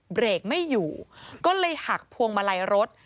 เบรกไม่อยู่ก็เลยหักพวงมาลัยรถ